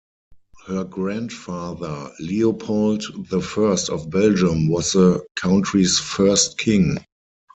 Her grandfather Leopold the First of Belgium was the country's first king.